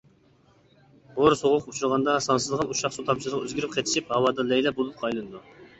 ھور سوغۇققا ئۇچرىغاندا، سانسىزلىغان ئۇششاق سۇ تامچىلىرىغا ئۆزگىرىپ قېتىشىپ، ھاۋادا لەيلەپ بۇلۇتقا ئايلىنىدۇ.